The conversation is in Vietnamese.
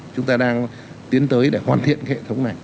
chúng ta đang tiến tới để hoàn thiện hệ thống này